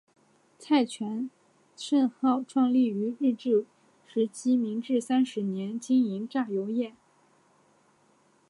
蔡泉盛号创立于日治时期明治三十年经营榨油业。